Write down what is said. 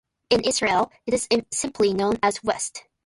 In Israel, it is simply known as "whist".